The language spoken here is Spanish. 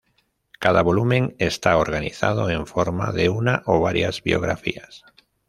Cada volumen está organizado en forma de una o varias biografías.